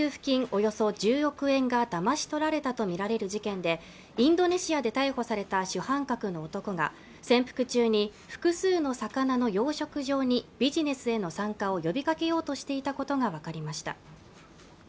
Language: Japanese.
およそ１０億円がだまし取られたとみられる事件でインドネシアで逮捕された主犯格の男が潜伏中に複数の魚の養殖場にビジネスへの参加を呼びかけようとしていたことが分かりました